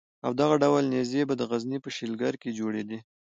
او دغه ډول نېزې به د غزني په شلګر کې جوړېدې.